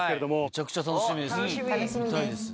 めちゃくちゃ楽しみです。